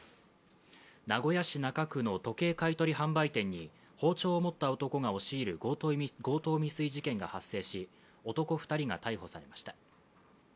名古屋市中区の時計買い取り販売店に包丁を持った男が押し入る強盗未遂事件が発生し男２人が逮捕されました。